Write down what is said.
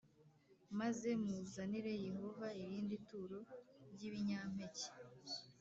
maze muzanire Yehova irindi turo ry ibinyampeke